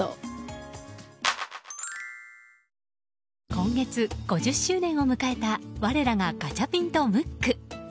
今月５０周年を迎えた我らが、ガチャピンとムック。